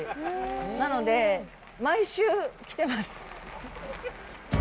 なので、毎週来てます。